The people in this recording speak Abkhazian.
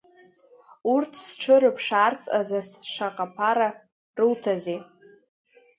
Урҭ сҽы рыԥшаарц азы шаҟа ԥара руҭазеи?